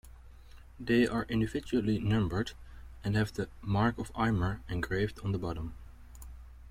They are individually numbered and have the "mark of Imar" engraved on the bottom.